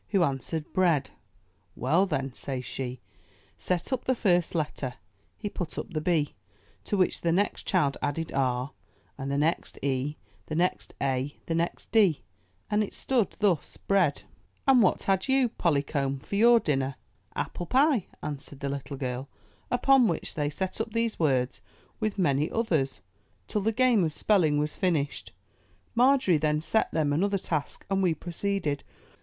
Who answered, ''Bread. "Well, then,'* says she, "set up the first letter. He put up the B, to which the next child added r, and the next e, the next a, the next d, and it stood thus. Bread. 136 UP ONE PAIR OF STAIRS ''And what had you, Polly Comb, for your dinner?'* ''Apple pie," answered the little girl; upon which they set up these words with many others, till the game of spelling was finished. Margery then set them an other task, and we proceeded.